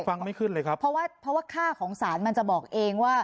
ฟังไม่ขึ้นเลยครับเพราะว่าเพราะว่าค่าของสารมันจะบอกเองว่า